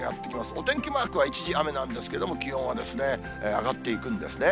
お天気マークは一時雨なんですけど、気温は上がっていくんですね。